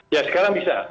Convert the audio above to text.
ya sekarang bisa